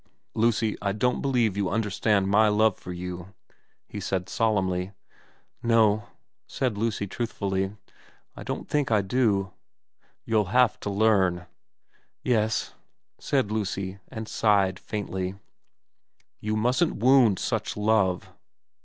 ' Lucy, I don't believe you understand my love for you,' he said solemnly. ' No,' said Lucy truthfully, ' I don't think I do.' * You'll have to learn.' ' Yes,' said Lucy ; and sighed faintly. * You mustn't wound such love.'